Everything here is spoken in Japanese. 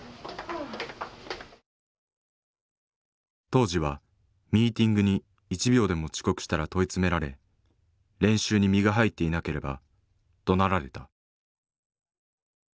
当時はミーティングに１秒でも遅刻したら問い詰められ練習に身が入っていなければどなられた。